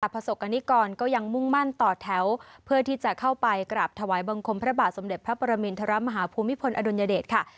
ประสบกรณิกรก็ยังมุ่งมั่นต่อแถวเพื่อที่จะเข้าไปกราบถวายบังคมพระบาทสมเด็จพระปรมินทรมาฮภูมิพลอดุลยเดชค่ะ